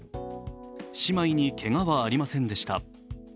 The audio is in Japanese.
姉妹にけがはありませんでした。